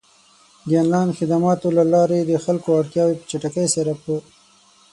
د آنلاین خدماتو له لارې د خلکو اړتیاوې په چټکۍ سره پ